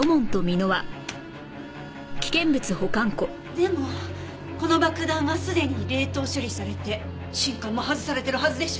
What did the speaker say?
でもこの爆弾はすでに冷凍処理されて信管も外されてるはずでしょ。